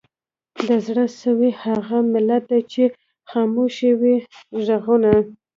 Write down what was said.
د زړه سوي هغه ملت دی چي خاموش یې وي ږغونه